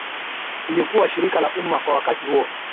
lilikuwa shirika la umma kwa wakati huo